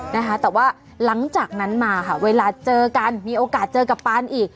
นะคะแต่ว่าหลังจากนั้นมาค่ะเวลาเจอกันมีโอกาสเจอกับปานอีก